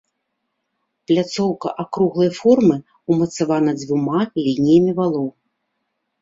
Пляцоўка акруглай формы, умацавана дзвюма лініямі валоў.